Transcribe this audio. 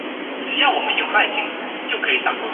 滇东杜根藤为爵床科杜根藤属的植物。